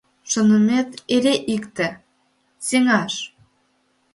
Шонымет эре икте — сеҥаш!